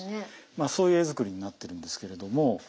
そういう絵作りになっているんですけれども。